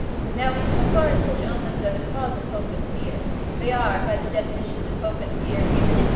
Now, in so far as such omens are the cause of hope or fear, they are (by the definitions of hope and fear given in III.